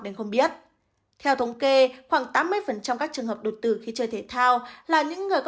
đến không biết theo thống kê khoảng tám mươi các trường hợp đột tử khi chơi thể thao là những người có